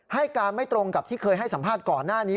ให้การไม่ตรงกับที่เคยให้สัมภาษณ์ก่อนหน้านี้